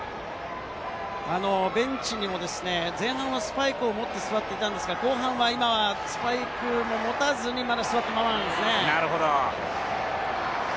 ベンチにも前半はスパイクを持って座っていたんですが、後半は今はスパイクも持たずに、まだ座ったままなんですよね。